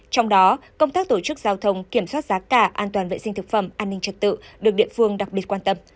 trong đó công tác tổ chức giao thông kiểm soát giá cả an toàn vệ sinh thực phẩm an ninh trật tự được địa phương đặc biệt quan tâm